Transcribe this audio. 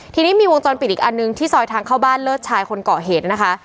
ทีนี้มีวงจรปิดอีกอันนึงที่ซอยทางเข้าบ้านเลิศชายคนเกาะเหตุนะคะ